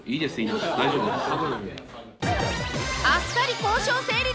あっさり交渉成立！